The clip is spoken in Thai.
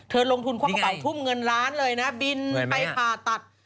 เธอลงทุนความเข้าเปล่าทุ่มเงินล้านเลยนะบินไปผ่าตัด